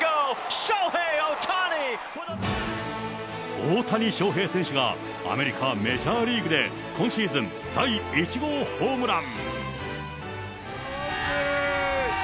大谷翔平選手がアメリカ・メジャーリーグで今シーズン第１号ホームラン。